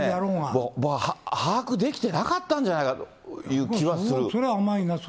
僕はね、把握できてなかったんじゃないかという気はする。